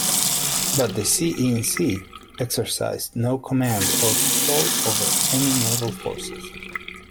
But the CinC exercised no command or control over any naval forces.